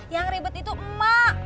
yang ribet itu emak